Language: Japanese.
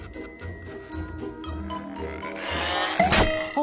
あ！